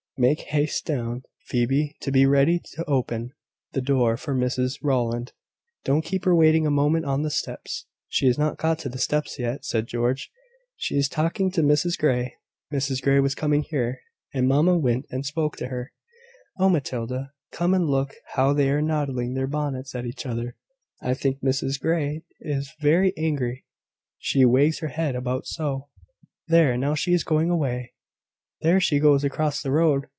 Make haste down, Phoebe, to be ready to open the door for Mrs Rowland. Don't keep her waiting a moment on the steps." "She has not got to the steps yet," said George. "She is talking to Mrs Grey. Mrs Grey was coming here, and mamma went and spoke to her. Oh, Matilda, come and look how they are nodding their bonnets at each other! I think Mrs Grey is very angry, she wags her head about so. There! now she is going away. There she goes across the road!